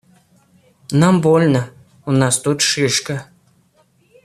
Нам больно, у нас тут шишка.